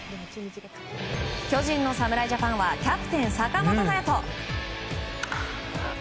巨人の侍ジャパンはキャプテン、坂本勇人。